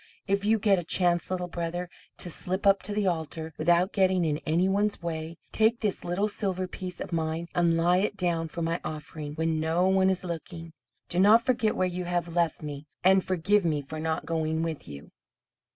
if you get a chance, Little Brother, to slip up to the altar without getting in any one's way, take this little silver piece of mine, and lay it down for my offering, when no one is looking. Do not forget where you have left me, and forgive me for not going with you."